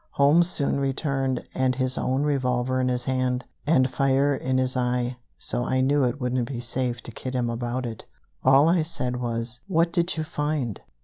Holmes soon returned, with his own revolver in his hand, and fire in his eye, so I knew it wouldn't be safe to kid him about it. All I said was: "What did you find?"